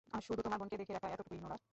শুধু তোমার বোনকে দেখে রাখা এতটুকুই -নোরাহ!